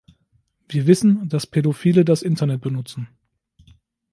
Wir wissen, dass Pädophile das Internet benutzen.